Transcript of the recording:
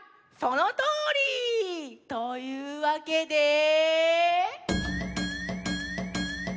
そのとおり！というわけで。